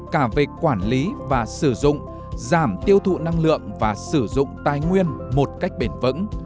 cả về quản lý và sử dụng giảm tiêu thụ năng lượng và sử dụng tài nguyên một cách bền vững